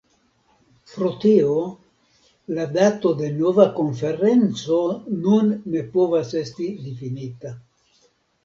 Pro tio la dato de nova konferenco nun ne povas esti difinita.